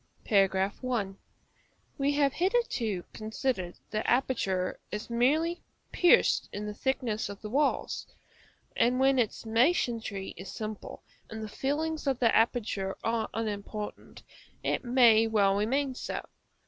§ I. We have hitherto considered the aperture as merely pierced in the thickness of the walls; and when its masonry is simple and the fillings of the aperture are unimportant, it may well remain so.